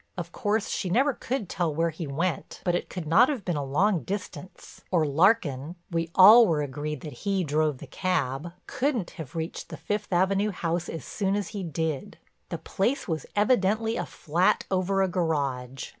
Of course she never could tell where he went but it could not have been a long distance, or Larkin—we all were agreed that he drove the cab—couldn't have reached the Fifth Avenue house as soon as he did. The place was evidently a flat over a garage.